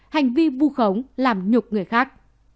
hành vi vu khống làm nhục người khác